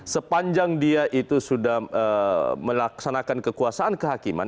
sepanjang dia itu sudah melaksanakan kekuasaan kehakiman